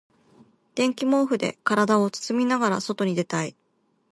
電気毛布で体を包みながら外に出たい。